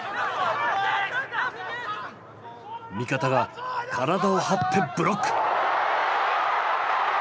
味方が体を張ってブロック。